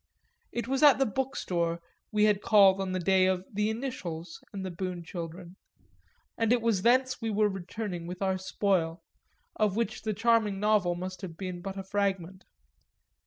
It was at the Bookstore we had called on the day of The Initials and the Boon Children and it was thence we were returning with our spoil, of which the charming novel must have been but a fragment.